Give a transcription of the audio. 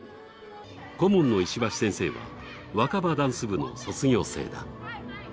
顧問の石橋先生は若葉ダンス部の卒業生だ。